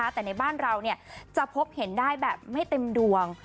แต่ในบ้านเราจะพบเห็นได้แบบไม่เต็มดวง